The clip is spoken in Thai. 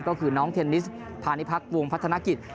ก็คือน้องเทนนิสพาณิพักษ์วงพัฒนกิจ